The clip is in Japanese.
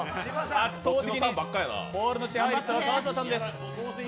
圧倒的にボールの支配率は川島さんです。